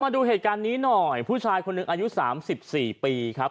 ดูเหตุการณ์นี้หน่อยผู้ชายคนหนึ่งอายุ๓๔ปีครับ